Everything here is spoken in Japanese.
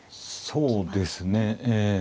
そうですねええ。